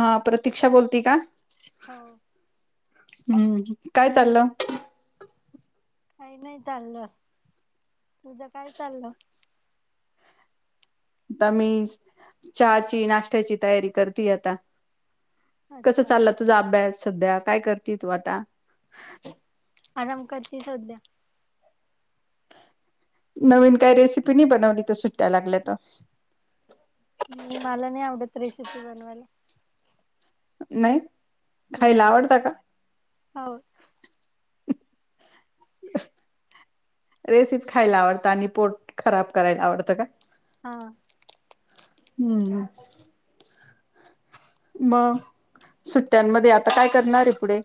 हा प्रतीक्षा बोलती का हो हम्म काय चाललं काही नाही चाललं तुझं काय चाललं आता मी च्याची नाश्त्याची तयारी करतीय आता कस अच्छा चाललं तुझा अभ्यास सध्या काय करती तू आता आराम करती सध्या नवीन काय रेसिपी नाइ बनवली क सुट्ट्या लागल्या तर म मला नाही आवडत रेसिपी बनवायला नाइ खायला आवडत का हाऊ रेसिप खायला आवडतं आणि पोट खराब करायला आवडतं का हा हम्म म सुट्ट्यांमध्ये आता काय करणारये पुडे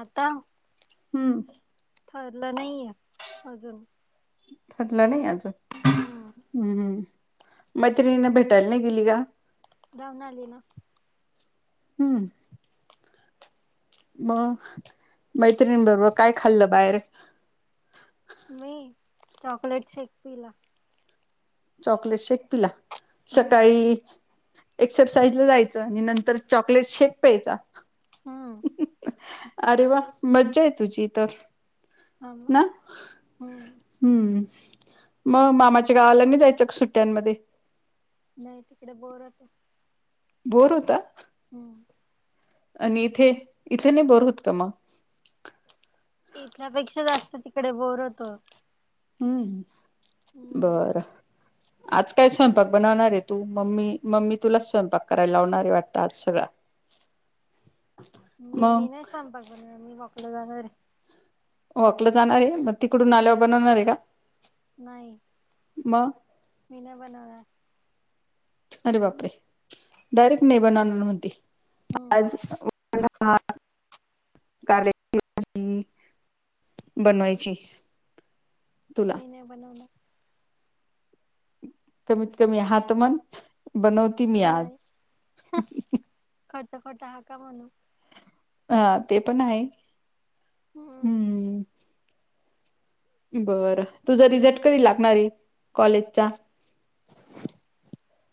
आता हम्म ठरलं नाइय अजून ठरलं नाइ अजून हम्म हम्म मैत्रिणीना भेटायला नाइ गेली का जाऊन आली ना हम्म मग मैत्रिणीन बरोबर काय खाल्लं बाहेर मी चॉकलेट शेक पिला चॉकलेट शेक पिला हम्म सकाळी एक्सरसाइज ला जायचं आणि नंतर चॉकलेट शेक प्यायचा हम्म अरे वा मज्जा आय तुझी तर होऊ ना हम्म हम्म मग मामाच्या गावाला नाइ जायचं सुट्ट्यांमध्ये नाइ तिकडे बोर होत बोर होता हम्म आणि इथे इथे नाही बोर होत का मग इथल्यापेक्षा जास्त तिकडे बोर होतो हम्म हम्म बरं आज काय स्वयंपाक बनवणार आहे तू मम्मी मम्मी तुलाच स्वयंपाक करायला लावणारे वाटतं आज सगळं [inaudible] मी मी नाही संपाक बनणार मी बकल जाणार वकलं जाणार आहे म हम नाही मग मी न बनवणार अरे बापरे डायरेक्ट ने बनणार होती हम्म आज का बनवायची तुला मी नाही बनवला कमीत कमी हात मण बनवत नाहीय खर्च खट हा का म्हणून ह ते पण आहे हम्म बरं तुझं रिझल्ट कधी लागणार आहे कॉलेजचा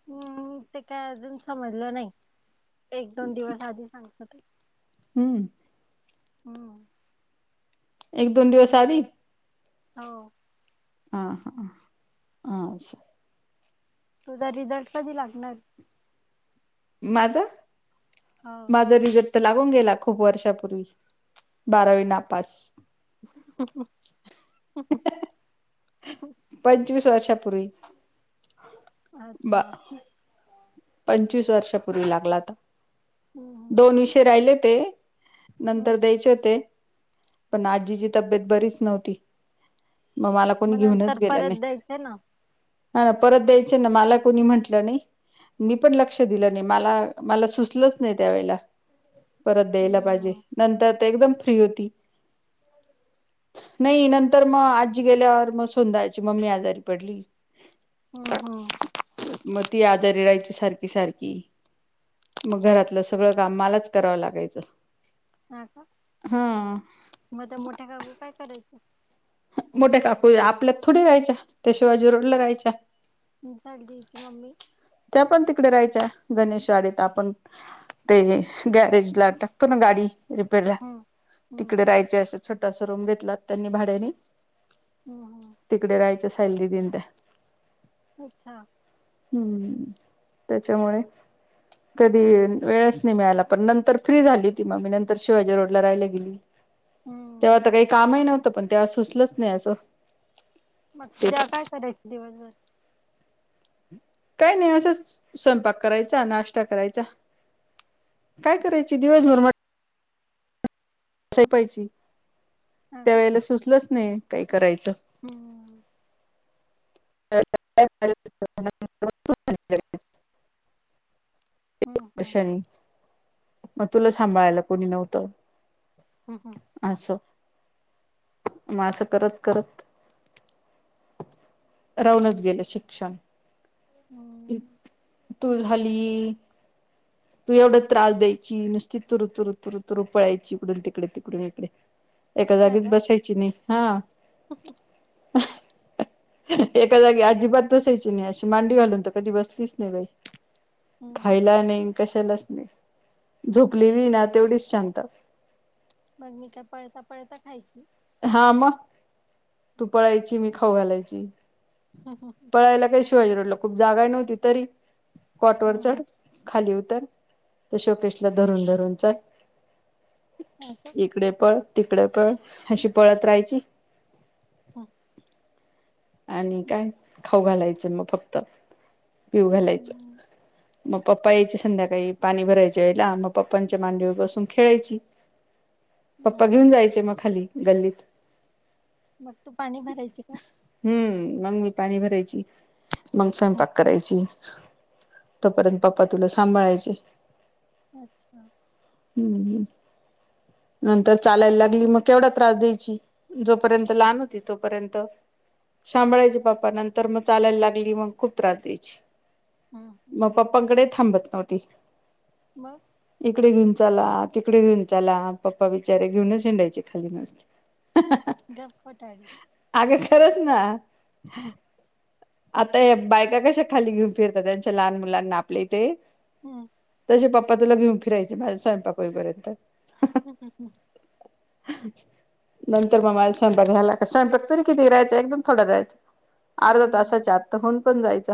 हम्म ते काय अजून समजलं नाइ एक दोन दिवस आधी सांगत ते हम्म हम्म एक दोन दिवस आधी हो ह हा अछ तुझा रिझल्ट कधी लागणार माझं हो आज रझट तर लागून गेला खूप वर्षापूर्वी बारावी नापास [inaudible] पंचवीस वर्षापूर्वी अच्छा बा पंचवीस वर्षापूर्वी लागलाता हम्म दोन विषय राहिले ते नंतर हम्म द्यायचे होते पण आजीची तब्येत बरीच नव्हती मग मला कोणी नंतर घेऊनच गेलं परत नाही द्यायचं ना ह ना परत द्यायचे ना मला कोुणी म्हंटलं नाही मी पण लक्ष दिलं नाही मला मला सुचलंच नाही त्यावेेळेला परत द्यायला पाहिजे हम्म नंतर ते एकदम फ्री होती नाही नंतर मग आजी गेल्यावर मग सोधाळची मम्मी आजारी पडली हम् हम् मग ती आजारी राहायची सारखी सारखी मग घरातलं सगळं काम मलाच करावं लागायचं ह का हा म त्या मोठ्या कागू काय करायचं मोठ्या काकू आपल्यात थोडी राहायच्या त्याशिवाय जी रडला राहायच्या सदीची मममी त्या पण तिकडे राहायच्या गणेशवाडीत आपण ते गॅरेज ला टक्तो ना गाडी रिपेरला हम्म हम्म तिकडे राहायचे असं छोटासा रूम घेतला त्यांनी भाड्यानी हम्म हम्म तिकडे राहायच्या सयलली दिन त्या अच्छा हम्म त्याच्यामुळे कधी वेळच नाही मिळाला पण नंतर फ्री झाली होती म मी नंतर शिवाजी रोडला राहायला गेली तेव्हा हम्म आता काही कामही नव्हतं पण तेव्हा सुचलंच नाही असं मग त ते जेव्हा काय करायचं दिवसभर काही नाही असं स्वयंपाक करायचा नाश्ता करायचा काय करायची दिवसभर पाहि हा त्या वेळेला सुचलंच नाही काही करायचं हो एक हम्म हम्म वर्षानी म तुला सांभाळायला कोणी नव्हतं हो हो असं मग असं करत करत राहूनच गेलं शिक्षण हम्म. तू झाली तू एवढ त्रास देई नुसती तुरु तुरु तुरु तुरु पळायची इकडून तिकडे तिकडून इकडे एका जागीेत बसायची हा हो हम एका जागी अजिबात बसायची नाही अशी मांडी घालून तर कधी बसलीच नाही बाई. हम्म खायला नाही कशालाच नाही झोपलेली ना तेवढीच शांत. मग मी काय पळता पळता खायची. हा मग तू पळायची मी खाऊ घालायची. हं हं. ला काही शिवाजी रोडला खूप जागा नव्हती तरी कॉटवर चढ खाली उतर त्या शोकेशला धरून, धरून चल हा का? एक इकडे पळ, तिकडे पळ अशी पळत राहायची. हा. आणि काय खाऊ घालायचं मग फक्त पिऊ घालायचं. हम्म. मग पप्पा यायचे संध्याकाळी पाणी भरायचे लांब मग पप्पांच्या मांडवी बसून खेळायची. पप्पा हम्म. घेऊन जायचे मग खाली गल्लीत. मग तू पाणी भरायचे का. हम्म मग मी पाणी भरायची मग हं. स्वयंपाक करायची. पर्यंत पप्पा तुला सांभाळायचे. अच्छा. हम्म ह् नंतर चालायला लागली मग केवढा त्रास द्यायची. जोपर्यंत लहान होती तोपर्यंत. सांभाळायच पाप्पा नंतर मग चालायला लागली मग खूप त्रास द्यायची. हा हम. मग पप्पांकडे थांबत नव्हती. मग. इकडे घेऊन. चला तिकडे घेऊन चला पप्पा बचारे घेऊनच हिंडायचे खाली मस्त हा हा हा. गप खोटारडी. आगं खरच ना. [inaudible] आता हेब बायका कशा खाली घेऊन फिरतात त्यांच्या लहान मुलांना आपल्या इथे. हम्म. तसे पप्पा तुला घेऊन फियचे माझ्या स्वयंपाक होईपर्यंत. हम् हम हम्. अ हं नंतर मग माझ स्वयंपाक झाला का स्वयंपाक तरी किती राहायचं एकदम थोडं राहायचा. अर्धा हम्म. तासाच्या आत्ता होऊन पण जायचा.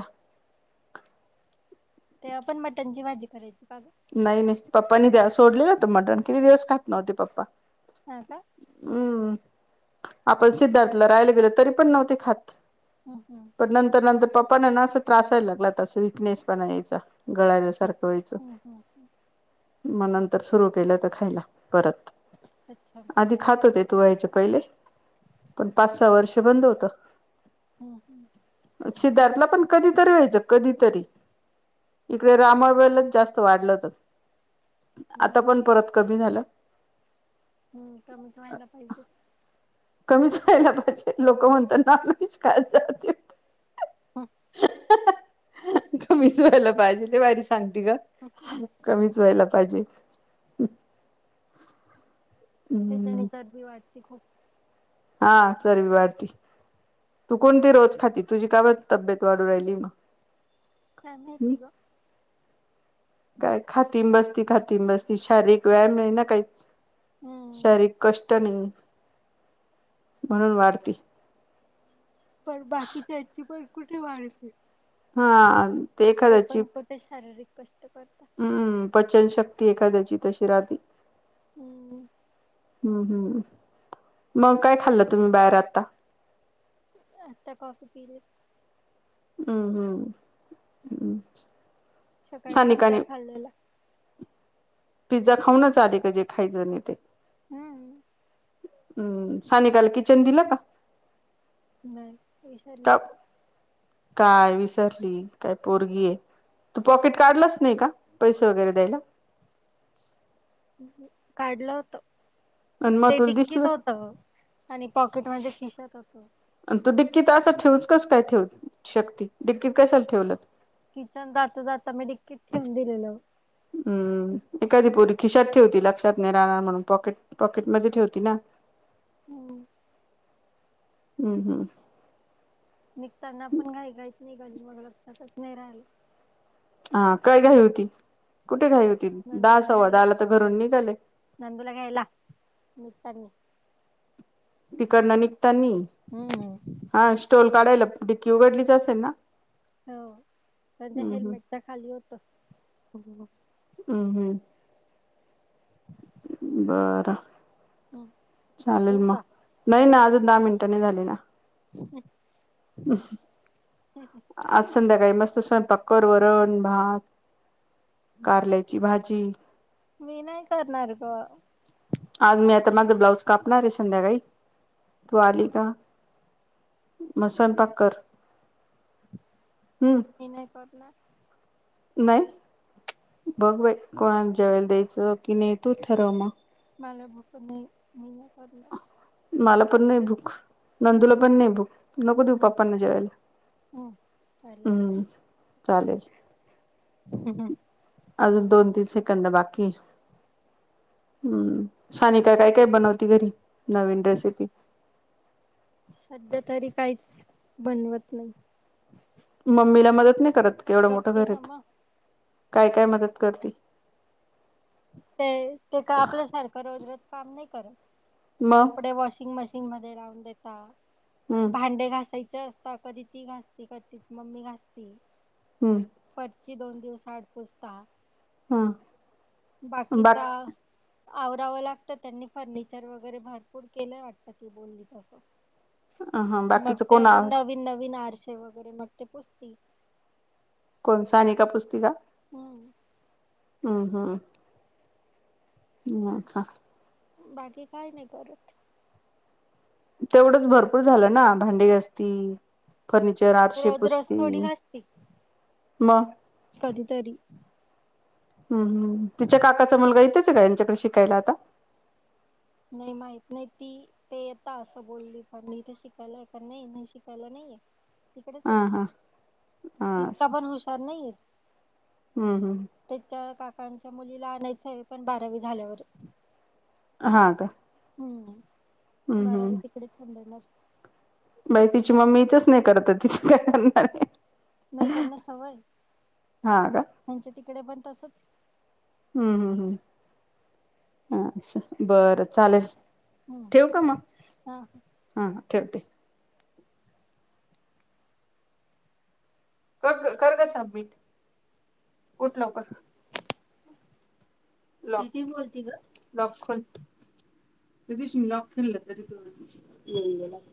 ते आपण मटनची भाजी करायची का ग नाही, नाही पप्पानी सोडलेलं होतं मटण किती दिवस खात नव्हती पप्पा हा का. हम्म आपण सिद्धार्थला राहिला गेलं तरी पण नव्हते खात. हं हं. पण नंतर, नंतर पप्पा ना असं त्रासायला लागला तसं विकनेस पण यायचा गळायलासारखं व्हायचं. हं हं. मग नंतर सुरू केलं तर खायला परत. अच्छा. आधी खात होतेे तू यायच्या पहिले पण पाच, सहा वर्ष बंद होतं. हम् हम्. सिद्धार्थला पण कधीतरी व्हायचं कधीतरी इकडे रामा वलाच जास्त वाढलंतच आता हम्म. पण परत कमी झालं. हम् कमीच व्हायला पाहिजे. कमीच ख्हायला पाहिजे लोक म्हणतात नाकीच कायच हं ज [unintelligible] कमीच व्हायला पाहिजे ते वा [unintelligible] री सांगते का हं. कमीच व्हायला पाहिजे. त्याच्यानी हम्म तरी वाटते खूप. हा सरी बाडती तू कोणती रोज खाती तुझी का तब्येत वाढू राहिली मग सम्या हम्म त गो काय खातीम बसती खातीम बसती शारीरिक व्यायाम नाही ना काहीच हम्म. शारीरिक कष्ट नाही म्हणून वाढते पण बाकीच्या याची पण कुठे वाढते हा ते पण कुठे शारीरिक कष्ट करतात हम्म पचनशक्ती एखाद्याची तशी रााती हम्म हम्म हम् मग काय खाल्लं तुम्ही बाहेर आता आचछा कॉफी पीले हम्म हम्म हम् सकाळी पिझ्झा खाल्लेला पिझ्झा खाऊनच आले का जे खायचं नाही ते हम्म हम्म सायकाल किचन दिलं का नाही वि का सारली काय विसरली काय पोरगी आहे तू पॉकेट काढलाच नाही का पैसे वगैरे द्यायला काढलं होत आणि मग ते तुला टिकत दिसलं होत अ आणि पॉकेटमध्ये किशर्त होतो तू िक्कीत असं ठेवूच कास काय ठेवू शक्ती िक्कीत कशाला ठेवल किचन जाता जाता मी डिककीट ठेवून दिलेल हम्म एखादी पोरी खिशात ठेवती लक्षात नाही राहणार म्हणून पॉकेट पॉकेटमध्येध्ये ठेवती ना [inaudible] हो हम्म हम्म निघताना पण घाई गाईच नाही गजून मग लक्षातच नाही राहिला हा काय घाई होती कुठे घाई होती दास हवा दाला तर घरून निघाले नंदूलागयला निघताी तिकडनं निघतानी हम्म. हा स्टॉोल काढायला टिक्की उघडलीच असेल ना हो त्यां हम्म हम्म हेल्मेट तर खाली होत हम् हम्म बरं हम्म चालेल ठेवू का? मग नाही ना अजून दहा मिनिटांनी झाली ना हम आज संध्याकाळी मस्त पकर वरण भात कारल्याची भाजी विनायकणारार ग आज मी आता माझ ब्लाउज कापणार आहे संध्याकाळी तू आली का मसनपाकर हम्म नाही नाही पत ना नाही बघ बाई कोणाच्या्या वेळेला द्यायचं कि नेतो ठरवा मग मला भक नाही मी करलं मला पण नाही भूक हो नंदूला पण नाही ब नको देऊ हो पप्पांना जेवायला हो चालेल हम्म चालेल हम हम अजून दोन तीन सेकंद बाकी हम्म सानिका काय काय बनवती घरी नवीन रेसिपी सध्या तरी काहीच बनवत नाही. मम्मीला मदत नाही करत एवढं मोठं करते ना घरेत मग काय काय मदत करते. ते ते का आपल्यासारखं रोज रज काम नाही करत मग कपडे वॉशिंग मशीन म रां देतात हम्म भांडे घासायचे अस. कधी ती घासती कधी तीच मम्मी घासती. हम्म. परची दोन दिवस आडपोसता हम. बाकी त आवरावं लागतं त्यांनी फर्निचर वगैरे भरपूर केलंय वाटतं ती बोलली तसं. हा मग बाकीचं ते कोण अजून नवीन नवीन आरसे वगैरे मग ते पुजतील कोणसानी का पुस्तिका हम. हम् हम. हचछ. बाकी काय नाही करत. तेवढंच भरपूर झालं ना भांडी गस्ती फर्निचर आठशे रोज रोज थोडी पुस्ती घासती मग कधीतरी हम् हम तिच्या काकाचा मुलगा येतेच का यांच्याकडे शिकायला आता नाही माहित नाही ती ते येतता असं बोलली पण मी इथे शिकायलाय पण नाही नाही शिकायला नाहीये. तिकडेच य हा हा हा इतका पण हुशार नाही येत. हम् हम. त्याच्या काकांच्या मुलीला आणायच हवे पण बारावी झाल्यावर हा. हम्म हम्म बारवी हम्म तिकडे ांणार बाई तिची मम्मीच नाही करत तिथ काय करणारे. नाही त्यांना स हवय हा का त्यांच्या तिकडे पण तसच हम्म हम्म हम् अ बरं चालेल. हम्म ठेव का मग हा हा ठेवते. कर कर का सबमिट कुठ लकर. [unintelligible] ली बोलती का लख रतीश मी लखेनलं तरी ये आहे.